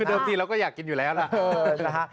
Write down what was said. คือเดิมทีเราก็อยากกินอยู่แล้วล่ะ